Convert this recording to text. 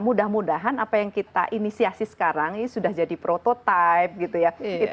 mudah mudahan apa yang kita inisiasi sekarang ini sudah jadi prototipe gitu ya